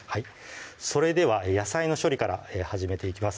それでは野菜の処理から始めていきます